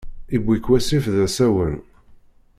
Iwwi-k wasif d asawen.